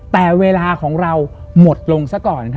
แต่เวลาของเราหมดลงซะก่อน